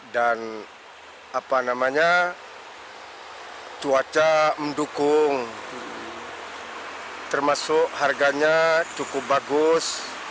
dan cuaca mendukung termasuk harganya cukup bagus